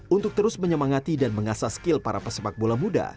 untuk terus menyemangati dan mengasah skill para pesepak bola muda